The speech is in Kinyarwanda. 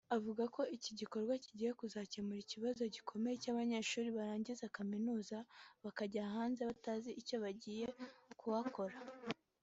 avuga ko iki gikorwa kizakemura ikibazo gikomeye cy’abanyeshuri barangiza kaminuza bakajya hanze batazi icyo bagiye kuhakora